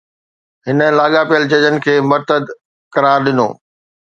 هن لاڳاپيل ججن کي مرتد قرار ڏنو